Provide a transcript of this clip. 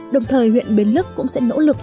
đồng thời huyện bến lức cũng sẽ nỗ lực